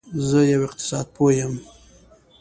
زه یو اقتصاد پوه یم